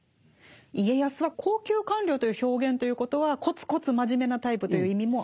家康は「高級官僚」という表現ということはコツコツ真面目なタイプという意味もあるんですか？